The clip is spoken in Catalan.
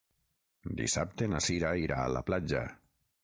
Dissabte na Sira irà a la platja.